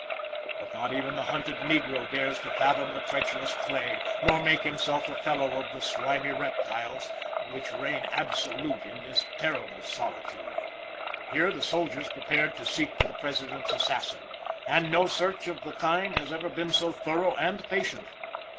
But not even the hunted negro dares to fathom the treacherous clay, nor make himself a fellow of the slimy reptiles which reign absolute in this terrible solitude. Here the soldiers prepared to seek for the President's assassin, and no search of the kind has ever been so thorough and patient.